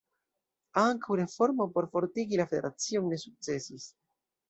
Ankaŭ reformo por fortigi la federacion ne sukcesis.